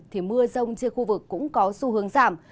thì mưa rông trên khu vực cũng có xu hướng giảm